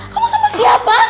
kamu sama siapa